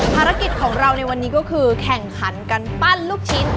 ภารกิจของเราในวันนี้ก็คือแข่งขันกันปั้นลูกชิ้น